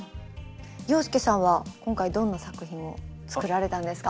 洋輔さんは今回どんな作品を作られたんですか？